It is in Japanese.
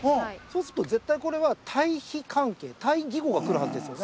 そうすると絶対これは対比関係対義語が来るはずですよね。